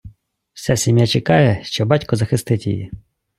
Вся сім’я чекає, що батько захистить її.